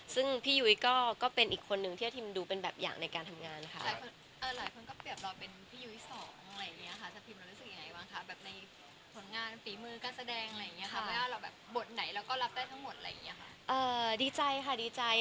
ซึ่งพี่ยุ้ยก็เป็นอีกคนนึงที่อธิมดูเป็นแบบอย่างในการทำงานค่ะ